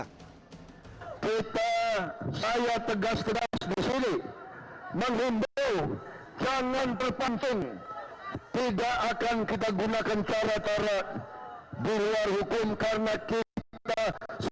kita saya tegas tegas disini